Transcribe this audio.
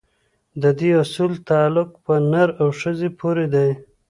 د دې اصول تعلق په نر او ښځې پورې دی.